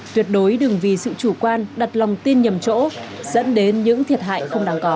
tuyệt đối đừng vì sự chủ quan đặt lòng tin nhầm chỗ dẫn đến những thiệt hại không đáng có